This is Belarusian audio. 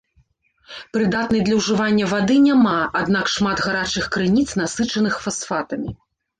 Прыдатнай для ўжывання вады няма, аднак шмат гарачых крыніц, насычаных фасфатамі.